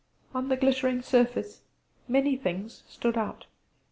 On the glittering surface many things stood out.